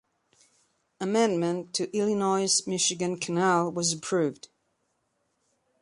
Amendment to Illinois Michigan Canal was approved.